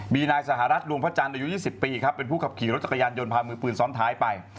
มีนายสหรัฐดวงพระจันทร์อายุ๒๐ปีครับเป็นผู้ขับขี่รถจักรยานยนต์พามือปืนซ้อนท้ายไป